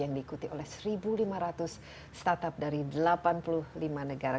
yang diikuti oleh satu lima ratus startup dari delapan puluh lima negara